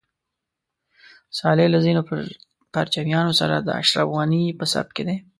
صالح له ځینو پرچمیانو سره د اشرف غني په صف کې دی.